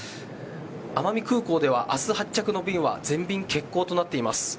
奄美空港では明日発着の便は全便欠航となっています。